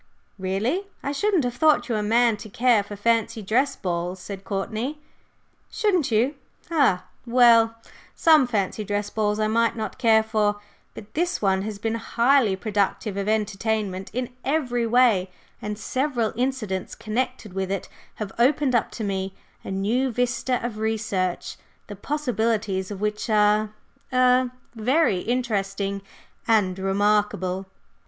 "Really! I shouldn't have thought you a man to care for fancy dress balls," said Courtney. "Shouldn't you? Ha! Well, some fancy dress balls I might not care for, but this one has been highly productive of entertainment in every way, and several incidents connected with it have opened up to me a new vista of research, the possibilities of which are er very interesting and remarkable."